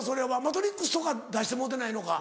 『マトリックス』とか出してもろうてないのか？